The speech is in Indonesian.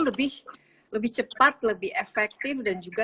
lebih cepat lebih efektif dan juga